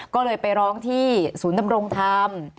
ก็เลยไปร้องที่ศูนย์นำรงค์ทำ